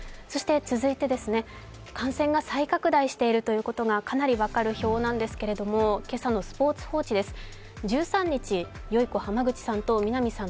そして続いて、感染が再拡大しているということがかなりわかる表なんですけれども今朝のスポーツ報知です。